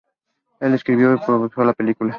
Él escribió y coprodujo la película.